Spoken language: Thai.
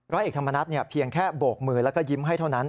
ร้อยเอกธรรมนัฐเพียงแค่โบกมือแล้วก็ยิ้มให้เท่านั้น